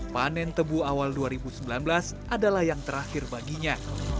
panen tebu awal dua ribu sembilan belas adalah yang terakhir baginya